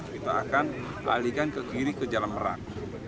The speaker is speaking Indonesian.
kita akan alihkan ke kiri ke jalan merak